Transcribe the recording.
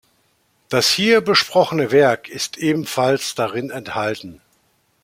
Das hier besprochene Werk ist ebenfalls darin enthalten.